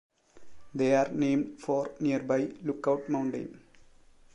They are named for nearby Lookout Mountain.